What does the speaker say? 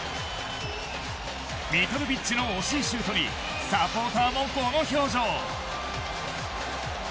ミトロビッチの惜しいシュートにサポーターもこの表情。